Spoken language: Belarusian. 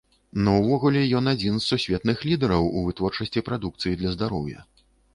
Ну, увогуле ён адзін з сусветных лідэраў у вытворчасці прадукцыі для здароўя.